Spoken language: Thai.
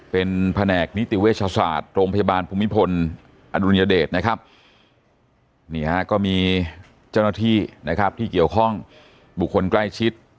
เป็นแผนกนิติเวชศาสตร์โรงพยาบาลภูมิพลอดุลยเดชนะครับนี่ฮะก็มีเจ้าหน้าที่นะครับที่เกี่ยวข้องบุคคลใกล้ชิด